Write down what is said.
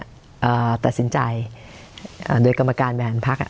อ่าตัดสินใจอ่าโดยกรรมการแบรนด์ภักดิ์อ่ะ